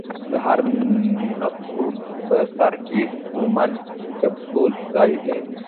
د هر نفرون په سر کې بومن کپسول ځای لري.